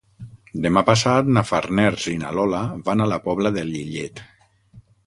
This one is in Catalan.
Demà passat na Farners i na Lola van a la Pobla de Lillet.